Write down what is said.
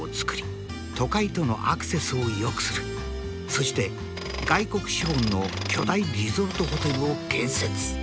そして外国資本の巨大リゾートホテルを建設。